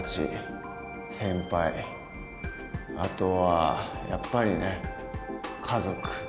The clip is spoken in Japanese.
あとはやっぱりね家族。